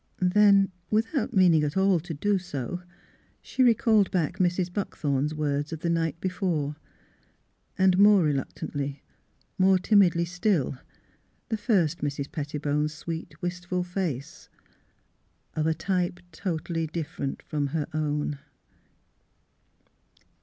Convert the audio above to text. Then, without at all meaning to do so, she called back Mrs. Buckthorn's words of the night before — and more reluctantly, more timidly still, the first Mrs. Pettibone 's sweet, wistful face, of a type totally different from her own.